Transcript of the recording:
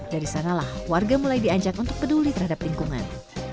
dari sanalah warga mulai diajak untuk peduli terhadap lingkungan